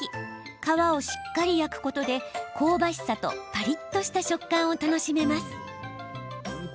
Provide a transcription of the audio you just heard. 皮をしっかり焼くことで香ばしさとパリっとした食感を楽しめます。